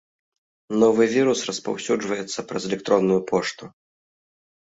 Новы вірус распаўсюджваецца праз электронную пошту.